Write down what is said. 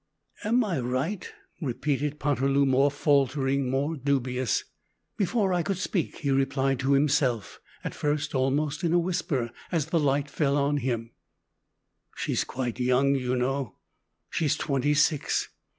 "Am I right?" repeated Poterloo, more faltering, more dubious. Before I could speak he replied to himself, at first almost in a whisper, as the light fell on him "She's quite young, you know; she's twenty six.